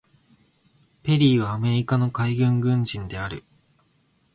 ペリーはアメリカの海軍軍人である。